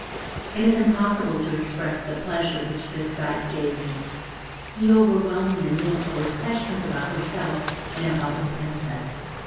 It is impossible to express the pleasure which this sight gave him. He overwhelmed the nymph with questions about herself and about the Princess.